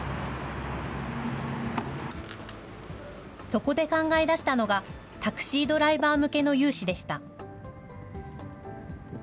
そこで考え出したのが、タクシードライバー向けの融資でした。